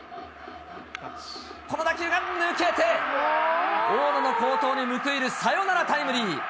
この打球が抜けて、大野の好投に報いるサヨナラタイムリー。